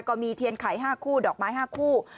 ก็มีเทียนไข่๕คู่ดอกไม้๕คู่